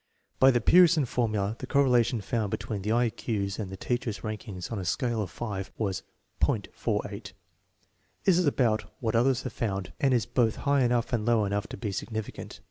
By the Pearson formula the correlation found between the I Q's and the teachers' rank ings on a scale of five was .48. This is about what others have found, and is both high enough and low enough to be significant.